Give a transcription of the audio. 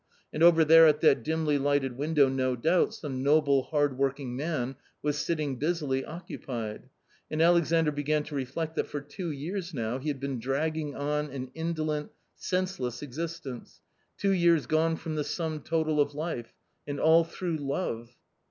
And over there at that dimly lighted window no doubt some noble, hardworking man was sitting busily occupied. And Alexandr began to reflect that for two years now he had been dragging on an indolent, senseless existence — two years gone from the sum total of life — and all through love